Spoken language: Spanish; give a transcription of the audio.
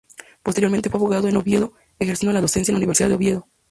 Posteriormente, fue abogado en Oviedo, ejerciendo la docencia en la Universidad de Oviedo.